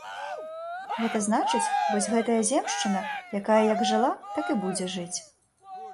Гэта значыць, вось гэтая земшчына, якая як жыла, так і будзе жыць.